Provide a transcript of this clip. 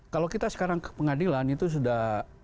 kalau kita sekarang ke pengadilan itu sudah